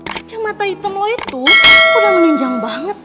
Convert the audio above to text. kacamata hitam lo itu udah menunjang banget